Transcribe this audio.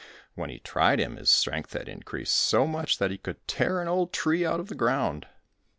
When he tried him, his strength had increased so much that he could tear an old tree out of the ground.